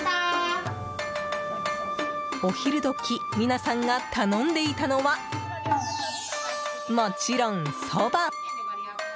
お昼時皆さんが頼んでいたのはもちろん、そば。